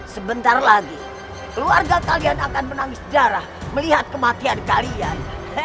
sebentar lagi keluarga kalian akan menangis sejarah melihat kematian kalian